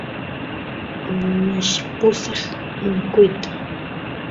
mishpusaq mikuyta